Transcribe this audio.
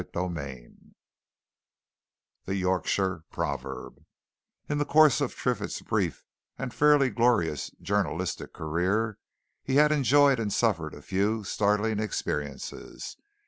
CHAPTER XXXII THE YORKSHIRE PROVERB In the course of Triffitt's brief and fairly glorious journalistic career, he had enjoyed and suffered a few startling experiences.